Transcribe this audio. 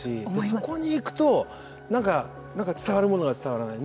そこに行くとなんか伝わるものが伝わらない。